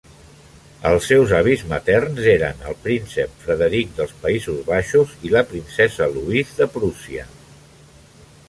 Els seus avis materns eren el príncep Frederick dels Països Baixos i la princesa Louise de Prússia.